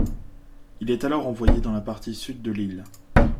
Il est alors envoyé dans la partie sud de l’île.